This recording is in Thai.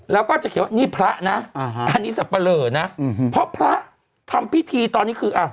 แล้วก็จะเขียนว่านี่พระนะอันนี้สับปะเหลอนะเพราะพระทำพิธีตอนนี้คืออ่ะ